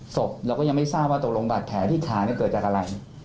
ศพเราก็ยังไม่ทราบว่าตกลงบาดแผลที่ขาเกิดจากอะไร